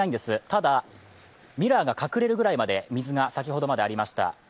ただ、ミラーが隠れるぐらいまで水が先ほどまでありました